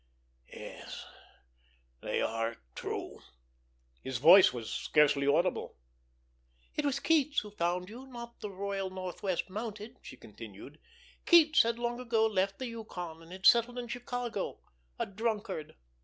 "Yes, they are true." His voice was scarcely audible. "It was Keats who found you, not the Royal Northwest Mounted," she continued. "Keats had long ago left the Yukon, and had settled in Chicago—a drunkard.